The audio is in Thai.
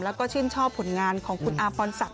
แล้วก็ชื่นชอบผลงานของคุณอาพรศักดิ